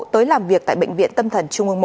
tới làm việc tại bệnh viện tâm thần trung ương một